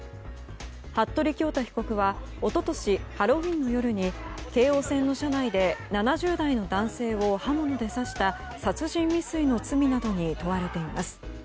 服部恭太被告は一昨年、ハロウィーンの夜に京王線の車内で７０代の男性を刃物で刺した殺人未遂の罪に問われています。